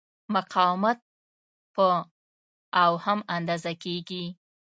مقاومت په اوهم اندازه کېږي.